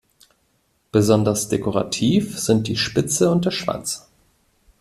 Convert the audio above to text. Besonders dekorativ sind die Spitze und der Schwanz.